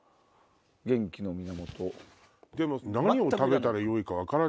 「元気の源」。